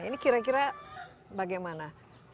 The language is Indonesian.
ini kira kira bagaimana